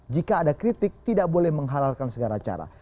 jika ada kritik tidak boleh menghalalkan segala cara